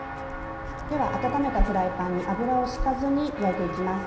では温めたフライパンに油を引かずに焼いて行きます。